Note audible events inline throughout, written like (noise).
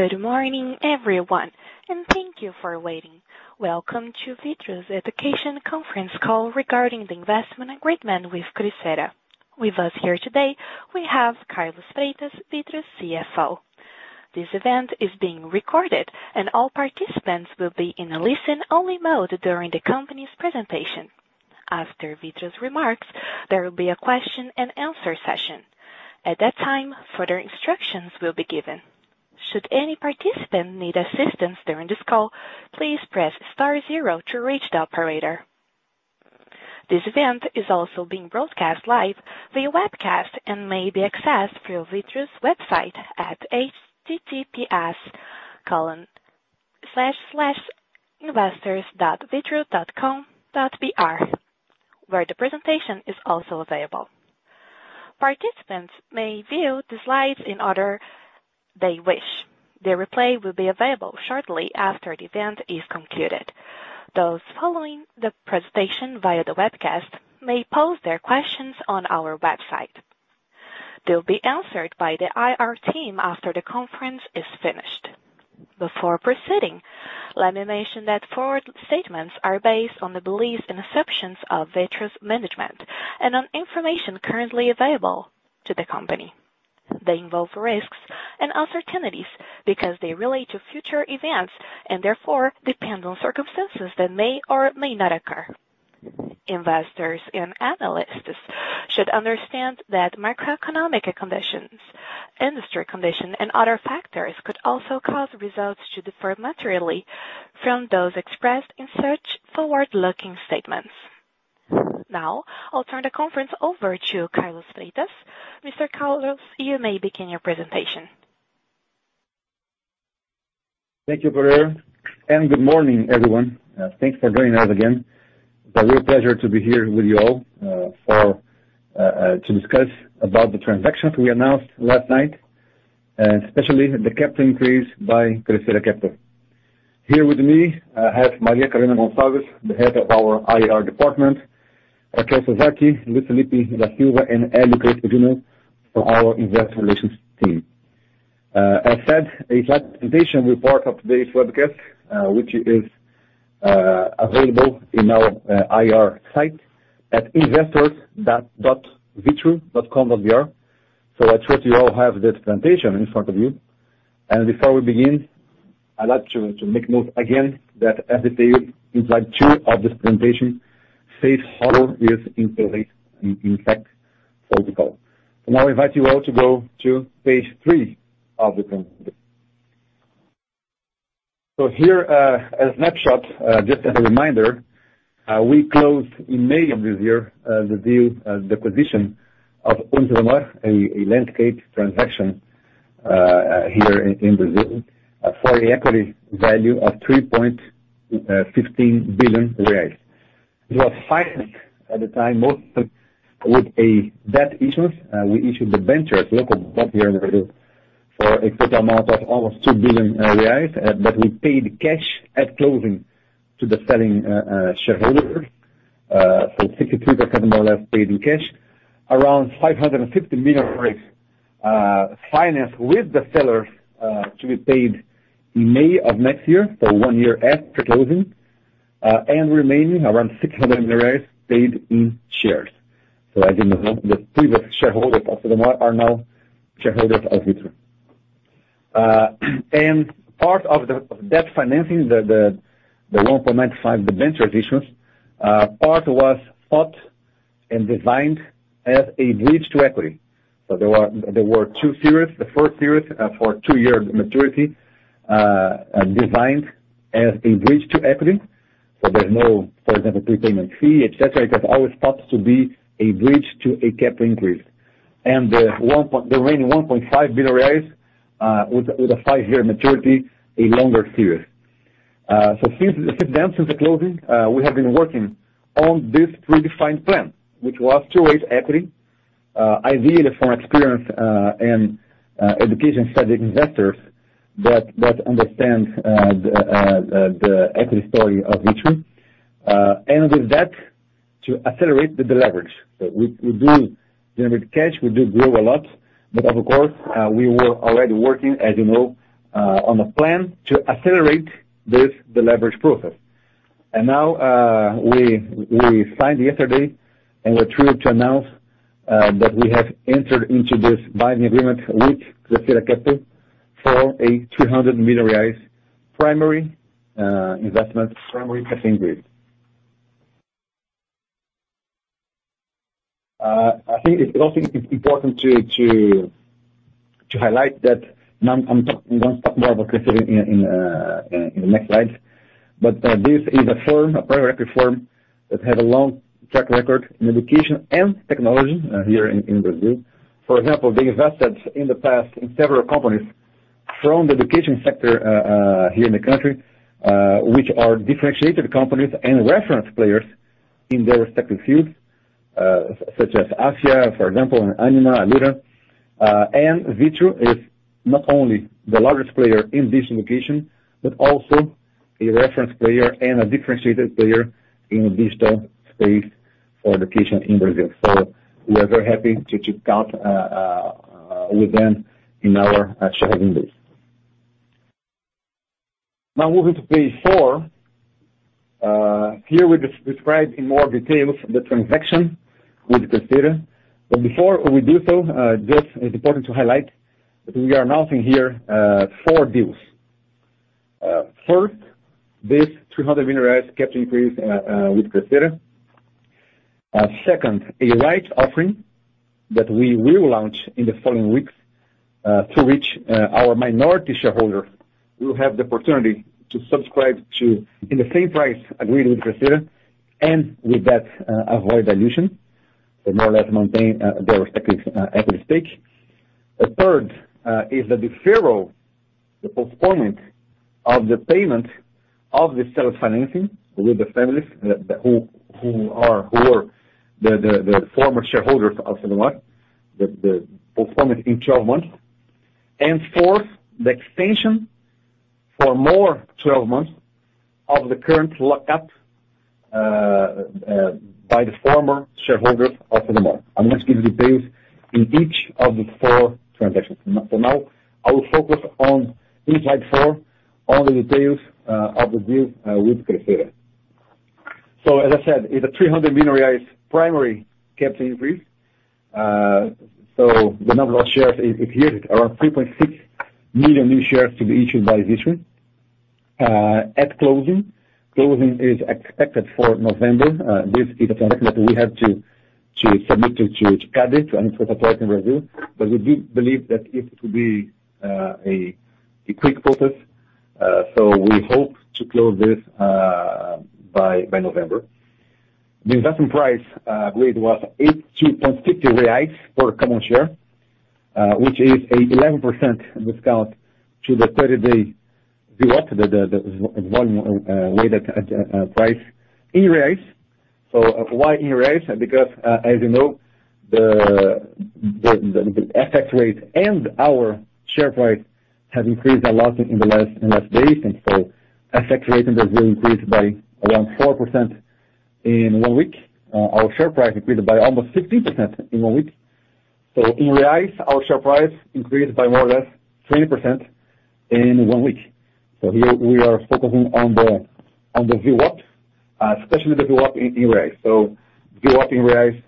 Good morning, everyone, and thank you for waiting. Welcome to Vitru's Education Conference Call regarding the investment agreement with Crescera. With us here today, we have Carlos Freitas, Vitru's CFO. This event is being recorded, and all participants will be in a listen-only mode during the company's presentation. After Vitru's remarks, there will be a question-and-answer session. At that time, further instructions will be given. Should any participant need assistance during this call, please press star zero to reach the operator. This event is also being broadcast live via webcast and may be accessed through Vitru's website at https://investors.vitru.com.br, where the presentation is also available. Participants may view the slides in order they wish. The replay will be available shortly after the event is concluded. Those following the presentation via the webcast may pose their questions on our website. They'll be answered by the IR team after the conference is finished. Before proceeding, let me mention that forward-looking statements are based on the beliefs and assumptions of Vitru's management and on information currently available to the company. They involve risks and uncertainties because they relate to future events and therefore depend on circumstances that may or may not occur. Investors and analysts should understand that macroeconomic conditions, industry conditions, and other factors could also cause results to differ materially from those expressed in such forward-looking statements. Now, I'll turn the conference over to Carlos Freitas. Mr. Carlos, you may begin your presentation. Thank you, Gloria, and good morning, everyone. Thanks for joining us again. It's a real pleasure to be here with you all to discuss about the transactions we announced last night, especially the capital increase by Crescera Capital. Here with me, I have Maria Karina Gonçalves, the head of our IR department, Raquel Suzaki, Felipe, de Silva, and (audio distortion) from our investor relations team. As said, a slide presentation for today's webcast, which is available in our IR site at investors.vitru.com.br. I trust you all have this presentation in front of you. Before we begin, I'd like to make note again that as detailed in slide two of this presentation, safe harbor is in place, in fact, for the call. Now I invite you all to go to page three of the presentation. Here, a snapshot, just as a reminder, we closed in May of this year the deal, the acquisition of UniCesumar, a landmark transaction here in Brazil, for an equity value of 3.15 billion reais. It was financed at the time, mostly with a debt issuance. We issued debentures local debt here in Brazil for a total amount of almost 2 billion reais, but we paid cash at closing to the selling shareholders, 63% more or less paid in cash. Around BRL 550 million financed with the sellers to be paid in May of next year, so one year after closing, and remaining around 600 million paid in shares. As you know, the previous shareholders of UniCesumar are now shareholders of Vitru. Part of the debt financing, the 1.95 billion debenture issuance, part was thought and designed as a bridge to equity. There were two series. The first series for two-year maturity designed as a bridge to equity. There's no, for example, prepayment fee, etc. That always thought to be a bridge to a capital increase. The remaining 1.5 billion reais with a five-year maturity, a longer series. Since the closing, we have been working on this pre-defined plan, which was to raise equity, ideally from experienced and education-savvy investors that understand the equity story of Vitru. With that, to accelerate the deleverage. We generate cash. We do grow a lot. Of course, we were already working, as you know, on a plan to accelerate this deleverage process. Now, we signed yesterday, and we're thrilled to announce that we have entered into this binding agreement with Crescera Capital for a 300 million reais primary investment from Crescera Capital. I think it's also important to highlight that now I'm gonna talk more about Crescera in the next slides. This is a firm, a private equity firm that have a long track record in education and technology here in Brazil. For example, they invested in the past in several companies from the education sector here in the country, which are differentiated companies and reference players in their respective fields, such as Afya, for example, and Ânima, Alura. Vitru is not only the largest player in this location, but also a reference player and a differentiated player in this space for the education in Brazil. We are very happy to count with them in our shareholder base. Now moving to page four. Here we describe in more details the transaction with Crescera. Before we do so, it's important to highlight that we are announcing here four deals. First, this 300 million capital increase with Crescera. Second, a rights offering that we will launch in the following weeks, to which our minority shareholder will have the opportunity to subscribe to in the same price agreed with Crescera and with that avoid dilution and more or less maintain their equity stake. Third, the deferral, the postponement of the payment of the sellers financing with the families who were the former shareholders of UniCesumar, the postponement in 12 months. Fourth, the extension for more 12 months of the current lock-up by the former shareholders of UniCesumar. I'm going to give you details in each of the four transactions. For now, I will focus on slide four, on the details of the deal with Crescera. As I said, it's a 300 million primary capital increase. The number of shares is here. Around 3.6 million new shares to be issued by Vitru at closing. Closing is expected for November. This is a transaction that we have to submit to CADE for approval. But we do believe that it will be a quick process. We hope to close this by November. The investment price agreed was 82.50 reais for a common share, which is an 11% discount to the 30-day VWAP, the volume weighted price in reais. Why in reais? Because, as you know, the FX rate and our share price has increased a lot in the last days. FX rate in Brazil increased by around 4% in one week. Our share price increased by almost 15% in one week. In reais our share price increased by more or less 20% in one week. Here we are focusing on the VWAP, especially the VWAP in reais. View up in reais,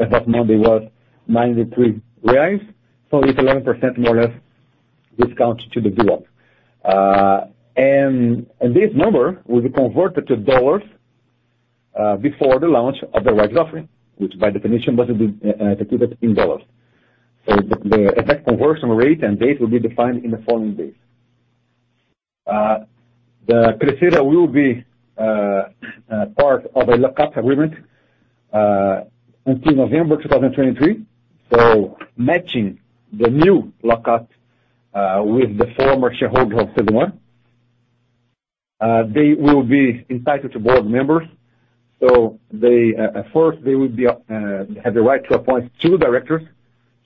as of Monday was 93 reais. It's 11% more or less discount to the VWAP. This number will be converted to dollars, before the launch of the rights offering, which by definition must be executed in dollars. The exact conversion rate and date will be defined in the following days. The Crescera will be part of a lock-up agreement until November 2023, matching the new lock-up with the former shareholder of UniCesumar. They will be entitled to board members. They at first they will have the right to appoint two directors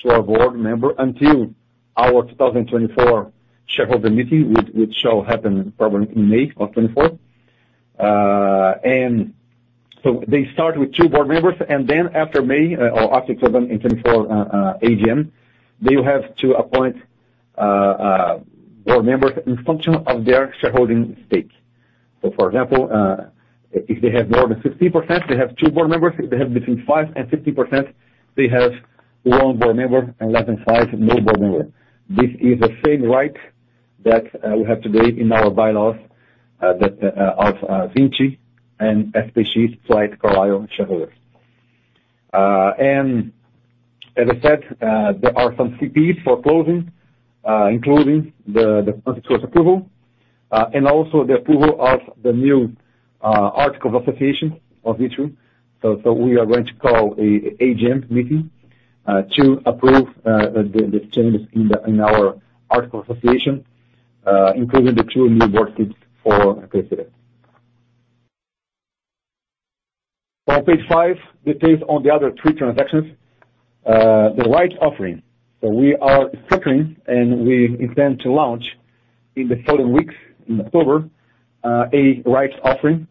to our board until our 2024 shareholder meeting, which shall happen probably in May 2024. They start with two board members, and then after May or after 2024 AGM, they'll have to appoint board members in function of their shareholding stake. For example, if they have more than 50%, they have two board members. If they have between 5% and 50%, they have one board member, and less than 5%, no board member. This is the same right that we have today in our bylaws that of Vinci, SPX, and Carlyle shareholders. As I said, there are some CPs for closing, including the constitutional approval, and also the approval of the new articles of association of Vitru. We are going to call an AGM meeting to approve the changes in our articles of association, including the two new board seats for Crescera. On page five, details on the other three transactions. The rights offering. We are structuring and we intend to launch in the following weeks in October a rights offering.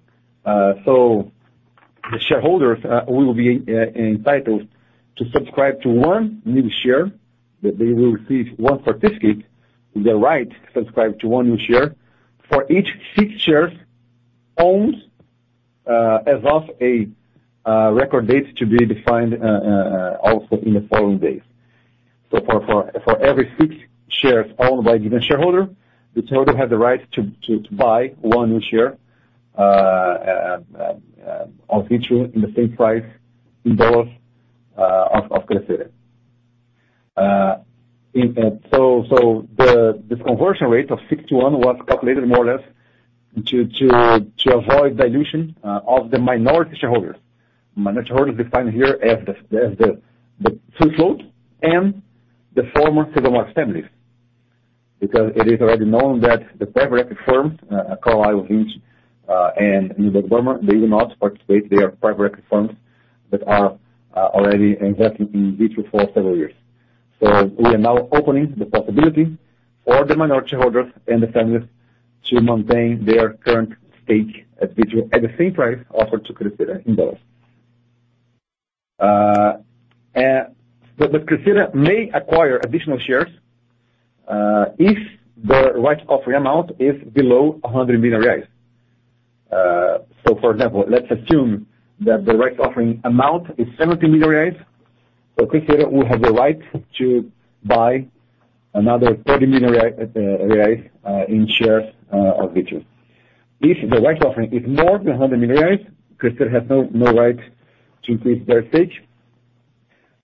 The shareholders will be entitled to subscribe to one new share, that they will receive one certificate with the right to subscribe to one new share for each six shares owned, as of a record date to be defined, also in the following days. For every six shares owned by a given shareholder, the shareholder has the right to buy one new share of Vitru in the same price in dollars of Crescera. This conversion rate of six to one was calculated more or less to avoid dilution of the minority shareholders. Minority shareholders defined here as the free float and the former UniCesumar families. Because it is already known that the private equity firms, Carlyle, Vinci, and Neuberger Berman, they will not participate. They are private equity firms that are already invested in Vitru for several years. We are now opening the possibility for the minority holders and the families to maintain their current stake at Vitru at the same price offered to Crescera in dollars. Crescera may acquire additional shares if the rights offering amount is below 100 million reais. For example, let's assume that the rights offering amount is 70 million reais. Crescera will have the right to buy another 30 million reais in shares of Vitru. If the rights offering is more than 100 million reais, Crescera has no right to increase their stake.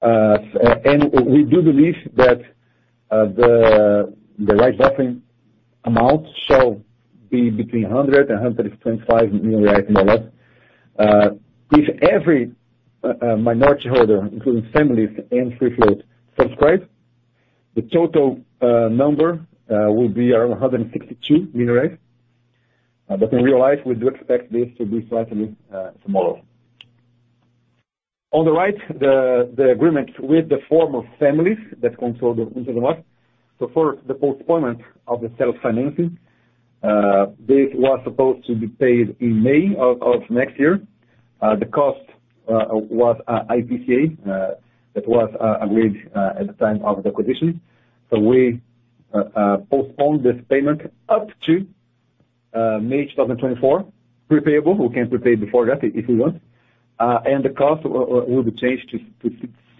We do believe that the rights offering amount shall be between 100 million and BRL 125 million more or less. If every minority shareholder, including families and free float, subscribe, the total number will be around 162 million. But in real life, we do expect this to be slightly smaller. On the right, the agreement with the four families that control the UniCesumar. For the postponement of the seller financing, this was supposed to be paid in May of next year. The cost was IPCA that was agreed at the time of the acquisition. We postponed this payment up to May 2024, repayable. We can prepay before that if we want. The cost will be changed to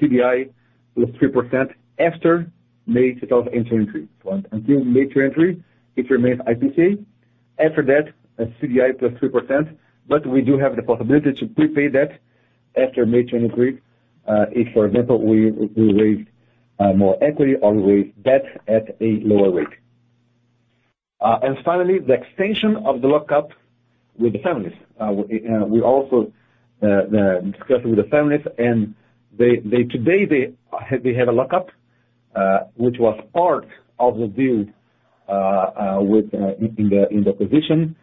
CDI plus 3% after May 2023. Until May 2023, it remains IPCA. After that, CDI plus 3%. We do have the possibility to prepay that after May 2023, if, for example, we raise more equity or raise debt at a lower rate. Finally, the extension of the lock-up with the families. We also discussed with the families, and they have a lock-up, which was part of the deal in the acquisition.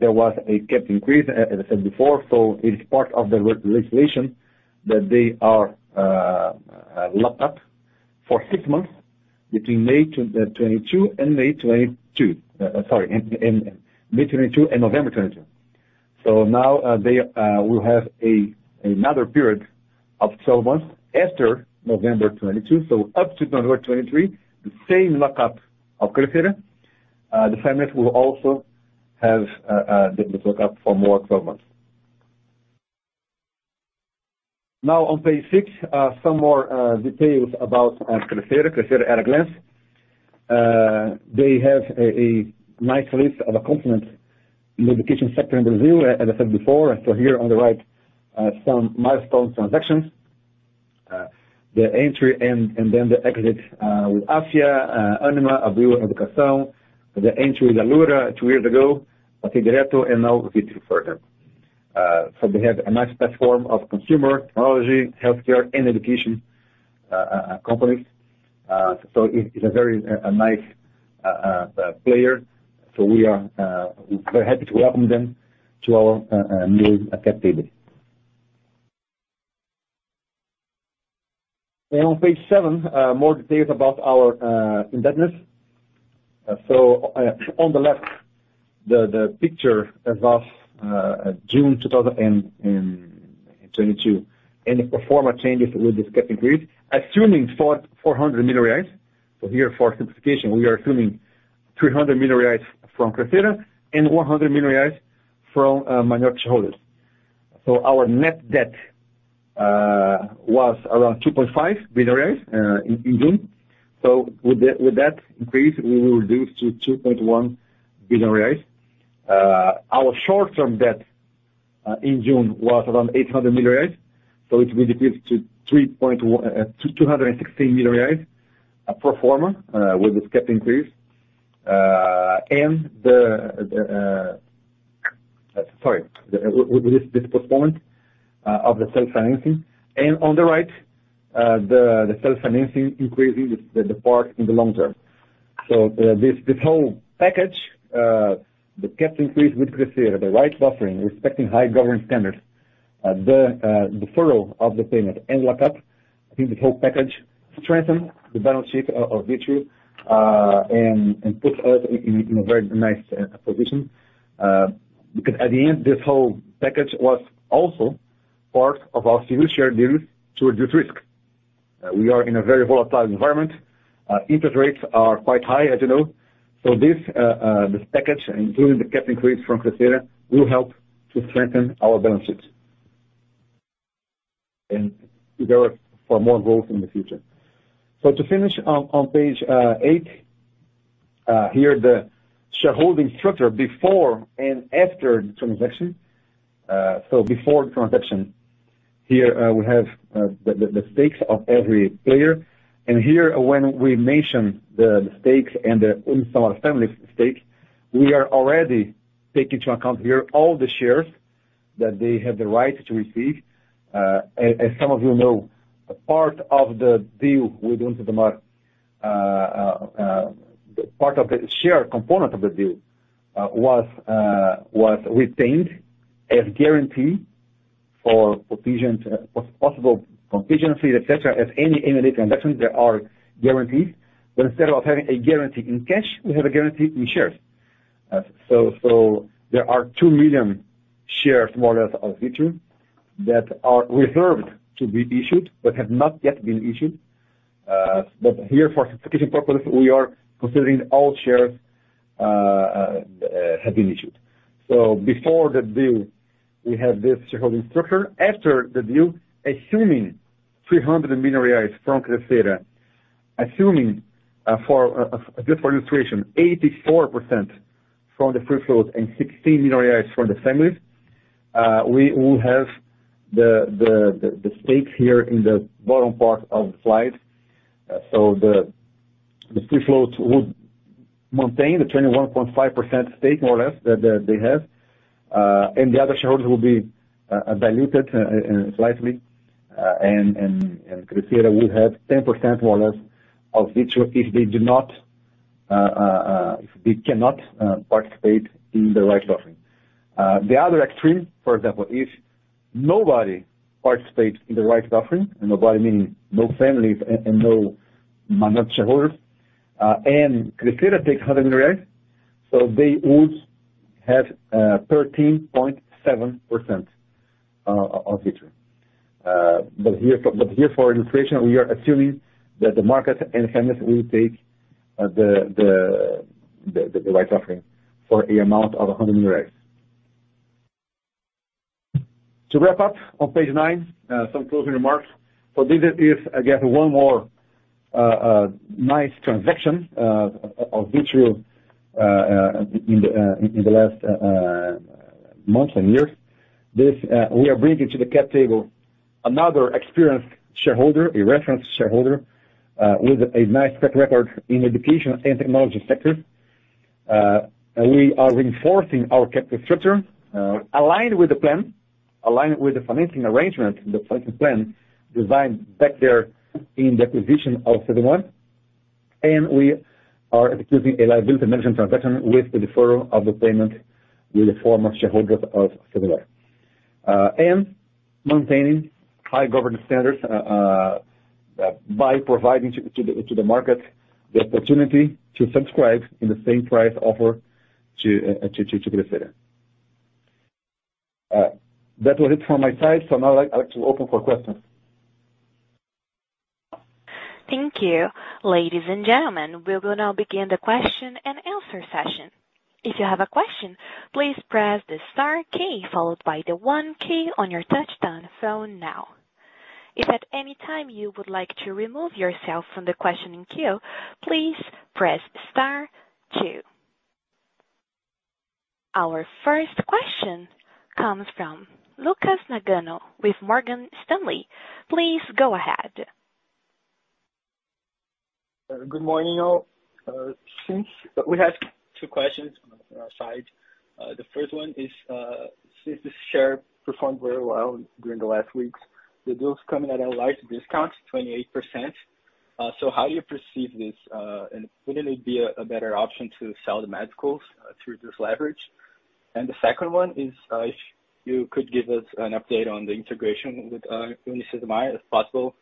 There was a capital increase, as I said before, it is part of the renegotiation that they are locked up for six months between May 2022 and May 2022. Sorry, in May 2022 and November 2022. Now, they will have another period of 12 months after November 2022. Up to November 2023, the same lock-up of Crescera. The families will also have the lock-up for more 12 months. Now on page six, some more details about Crescera. Crescera at a glance. They have a nice list of accomplishments in the education sector in Brazil, as I said before. Here on the right, some milestones, transactions. The entry and then the exit with Afya, Ânima, Abril Educação, the entry with Alura two years ago, Passei Direto, and now Vitru for them. They have a nice platform of consumer technology, healthcare and education companies. It's a very nice player. We are very happy to welcome them to our new family. On page seven, more details about our indebtedness. On the left, the picture as of June 2022, and the pro forma changes with this cap increase, assuming 400 million reais. Here for simplification, we are assuming 300 million reais from Crescera and 100 million reais from minority shareholders. Our net debt was around 2.5 billion in June. With that increase, we will reduce to 2.1 billion reais. Our short-term debt in June was around 800 million reais. It will decrease to 302.216 million reais pro forma with this capital increase. With this postponement of the self-financing. On the right, the self-financing increasing the part in the long term. This whole package, the capital increase with Crescera, the rights offering respecting high governance standards, the deferral of the payment and lock-up, I think this whole package strengthen the balance sheet of Vitru and puts us in a very nice position. Because at the end, this whole package was also part of our senior share deals to reduce risk. We are in a very volatile environment. Interest rates are quite high, as you know. This package, including the capital increase from Crescera, will help to strengthen our balance sheet and prepare for more growth in the future. To finish on page eight, here the shareholding structure before and after the transaction. Before the transaction here, we have the stakes of every player. Here when we mention the stakes and the UniCesumar family's stakes, we are already taking into account here all the shares that they have the right to receive. As some of you know, part of the deal with UniCesumar, part of the share component of the deal was retained as guarantee for provisions, possible contingencies, etc. As in any M&A transaction, there are guarantees. Instead of having a guarantee in cash, we have a guarantee in shares. There are 2 million shares more or less of Vitru that are reserved to be issued, but have not yet been issued. Here for simplicity purpose, we are considering all shares have been issued. Before the deal, we have this shareholder structure. After the deal, assuming 300 million reais from Crescera, assuming for just for illustration, 84% from the free float and 16 million from the families, we will have the stakes here in the bottom part of the slide. The free float would maintain the 21.5% stake more or less that they have. The other shareholders will be diluted slightly, and Crescera will have 10% more or less of Vitru if they cannot participate in the rights offering. The other extreme, for example, if nobody participates in the rights offering, nobody meaning no families and no minority shareholders, and Crescera takes BRL 100 million, so they would have 13.7% of Vitru. But here for illustration, we are assuming that the market and families will take the rights offering for an amount of BRL 100 million. To wrap up on page nine, some closing remarks. This is again one more nice transaction of Vitru in the last months and years. We are bringing to the cap table another experienced shareholder, a reference shareholder, with a nice track record in education and technology sector. We are reinforcing our capital structure, aligned with the plan, aligned with the financing arrangement, the financing plan designed back there in the acquisition of UniCesumar. We are executing a liability management transaction with the deferral of the payment with the former shareholders ofUniCesumar. Maintaining high governance standards by providing to the market the opportunity to subscribe in the same price offer to Crescera. That was it from my side. Now I'd like to open for questions. Thank you. Ladies and gentlemen, we will now begin the question and answer session. If you have a question, please press the star key followed by the one key on your touchtone phone now. If at any time you would like to remove yourself from the questioning queue, please press star two. Our first question comes from Lucas Nagano with Morgan Stanley. Please go ahead. Good morning, all. We have two questions on our side. The first one is, since the share performed very well during the last weeks, the deal is coming at a large discount, 28%. So how you perceive this, and wouldn't it be a better option to sell the medicals to reduce leverage? The second one is, if you could give us an update on the integration with UniCesumar, if possible,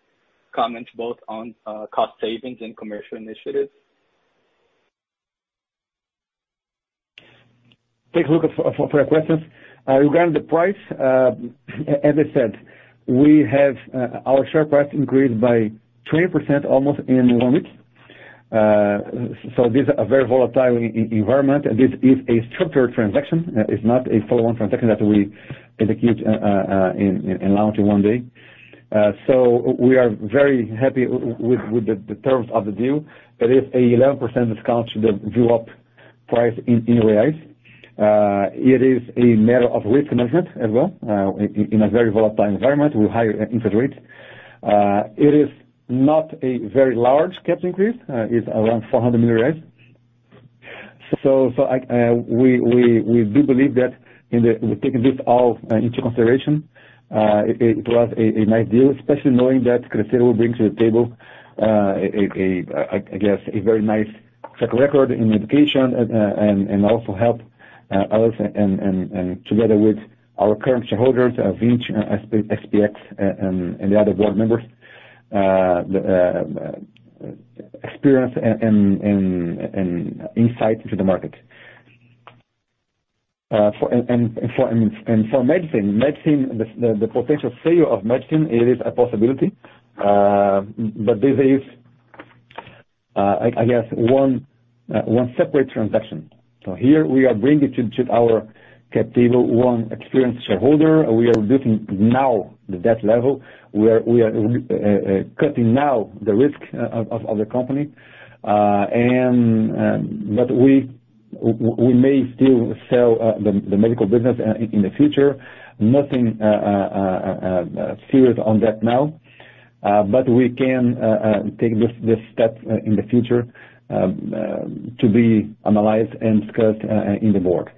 comment both on cost savings and commercial initiatives. Thanks, Lucas, for your questions. Regarding the price, as I said, we have our share price increased by almost 20% in one week. This is a very volatile environment, and this is a structured transaction. It's not a follow-on transaction that we execute in one day. We are very happy with the terms of the deal. It is an 11% discount to the view up price in reais. It is a matter of risk management as well, in a very volatile environment with high interest rates. It is not a very large cap increase. It's around BRL 400 million. We do believe that taking this all into consideration, it was a nice deal, especially knowing that Crescera will bring to the table, I guess, a very nice track record in education and also help us and together with our current shareholders, Vinci, SPX, and the other board members, the experience and insight into the market. For medicine, the potential sale of medicine, it is a possibility. This is, I guess, one separate transaction. Here we are bringing to our cap table one experienced shareholder. We are reducing now the debt level. We are cutting now the risk of the company. We may still sell the medical business in the future. Nothing serious on that now. We can take this step in the future to be analyzed and discussed by the board.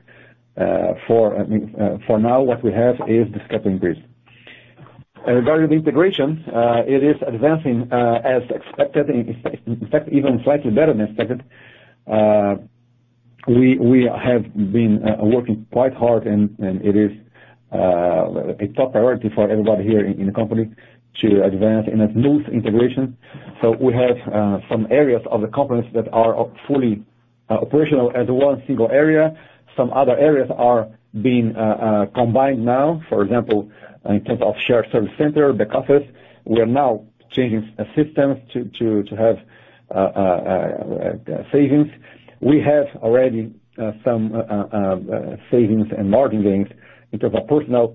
I think for now, what we have is the capital increase. Regarding the integration, it is advancing as expected. In fact, even slightly better than expected. We have been working quite hard and it is a top priority for everybody here in the company to advance in a smooth integration. We have some areas of the companies that are fully operational as one single area. Some other areas are being combined now. For example, in terms of shared service center, the back offices, we are now changing systems to have savings. We have already some savings and margin gains in terms of personnel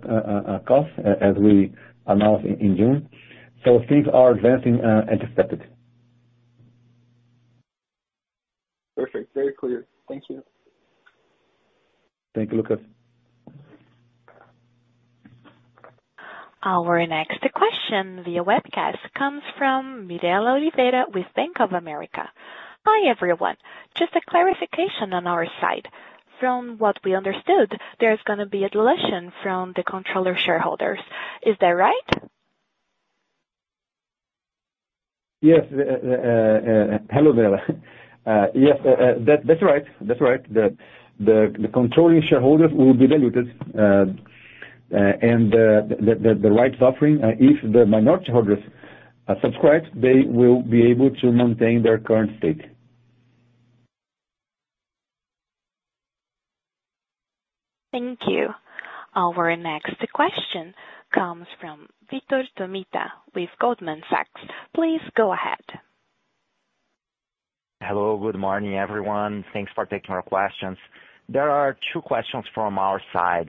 costs as we announced in June. Things are advancing as expected. Perfect. Very clear. Thank you. Thank you, Lucas. Our next question via webcast comes from Mirela Oliveira with Bank of America. Hi, everyone. Just a clarification on our side. From what we understood, there's gonna be a dilution from the controlling shareholders. Is that right? Yes. Hello, Mirela. Yes, that's right. The controlling shareholders will be diluted. The rights offering, if the minority shareholders subscribe, they will be able to maintain their current stake. Thank you. Our next question comes from Vitor Tomita with Goldman Sachs. Please go ahead. Hello. Good morning, everyone. Thanks for taking our questions. There are two questions from our side.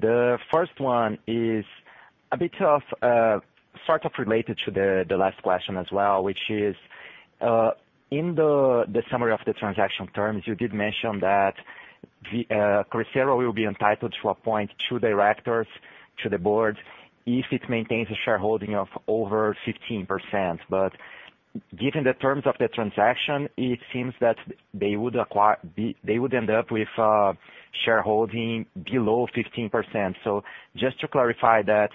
The first one is a bit of sort of related to the last question as well, which is in the summary of the transaction terms, you did mention that Crescera will be entitled to appoint two directors to the board if it maintains a shareholding of over 15%. But given the terms of the transaction, it seems that they would end up with a shareholding below 15%. Just to clarify that,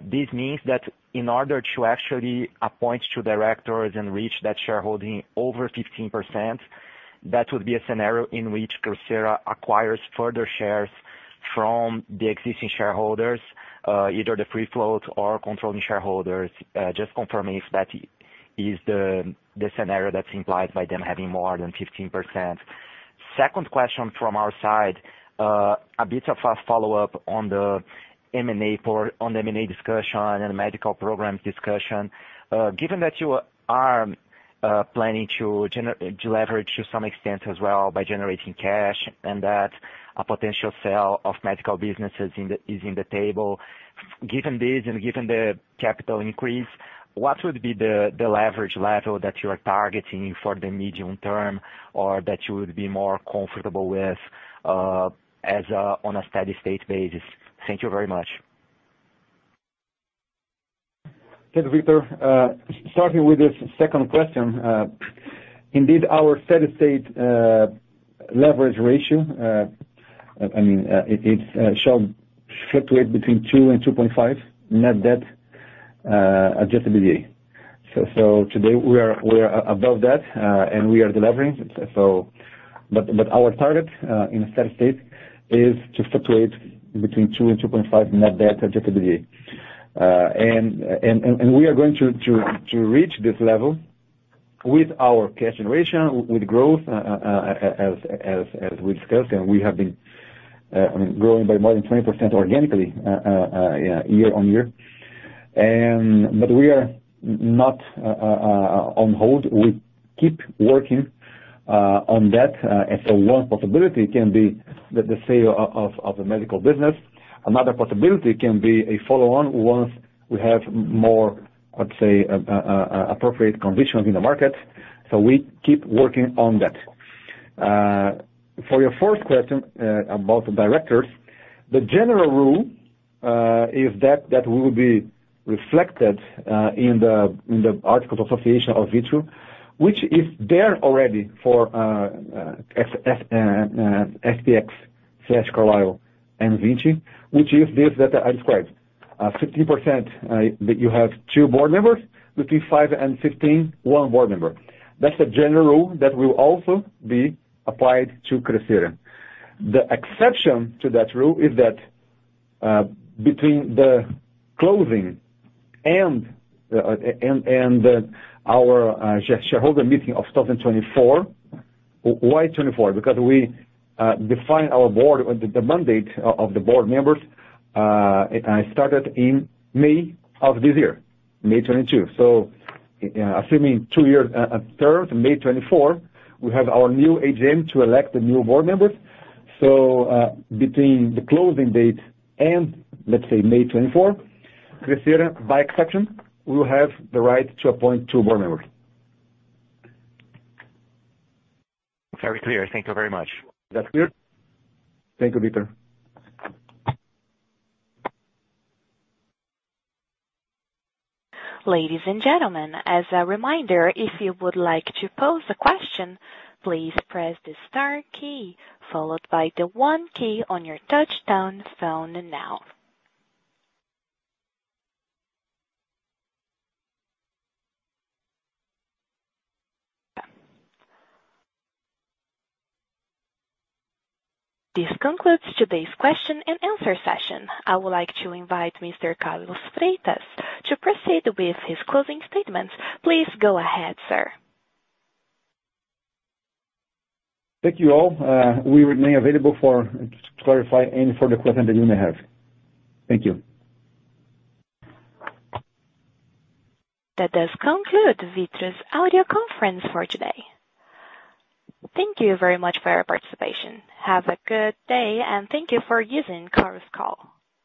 this means that in order to actually appoint two directors and reach that shareholding over 15%, that would be a scenario in which Crescera acquires further shares from the existing shareholders, either the free float or controlling shareholders. Just confirm if that is the scenario that's implied by them having more than 15%. Second question from our side. A bit of a follow-up on the M&A discussion and medical programs discussion. Given that you are planning to leverage to some extent as well by generating cash and that a potential sale of medical businesses is in the table. Given this and given the capital increase, what would be the leverage level that you are targeting for the medium term or that you would be more comfortable with on a steady-state basis? Thank you very much. Okay, Vitor. Starting with the second question. Indeed our steady-state leverage ratio, I mean, it shall fluctuate between two and 2.5 net debt adjusted EBITDA. Today we are above that, and we are delivering. Our target in a steady state is to fluctuate between two and 2.5 net debt adjusted EBITDA. We are going to reach this level with our cash generation, with growth, as we discussed, and we have been, I mean, growing by more than 20% organically year-on-year. We are not on hold. We keep working on that. One possibility can be the sale of the medical business. Another possibility can be a follow-on once we have more, let's say, appropriate conditions in the market. We keep working on that. For your first question, about the directors. The general rule is that will be reflected in the articles of association of Vitru, which is there already for SPX/Carlyle and Vinci, which is what I described. 15%, you have two board members. Between 5% and 15%, one board member. That's the general rule that will also be applied to Crescera. The exception to that rule is that, between the closing and our shareholder meeting of 2024. Why 2024? Because we define our board, the mandate of the board members started in May of this year, May 2022. Assuming two years term, May 2024, we have our new AGM to elect the new board members. Between the closing date and let's say May 2024, Crescera, by exception, will have the right to appoint two board members. Very clear. Thank you very much. That's clear? Thank you, Vitor. Ladies and gentlemen, as a reminder, if you would like to pose a question, please press the star key followed by the one key on your touchtone phone now. This concludes today's question-and-answer session. I would like to invite Mr. Carlos Freitas to proceed with his closing statements. Please go ahead, sir. Thank you all. We remain available to clarify any further questions that you may have. Thank you. That does conclude Vitru's audio conference for today. Thank you very much for your participation. Have a good day, and thank you for using Chorus Call.